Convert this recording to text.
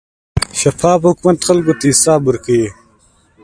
شفاف حکومت خلکو ته حساب ورکوي.